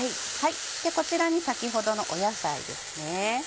こちらに先ほどの野菜ですね。